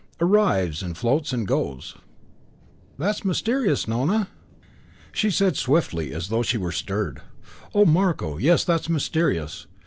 Arrives and floats and goes. That's mysterious, Nona?" She said swiftly, as though she were stirred, "Oh, Marko, yes, that's mysterious.